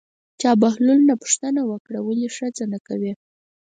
چا بهلول نه پوښتنه وکړه ولې ښځه نه کوې.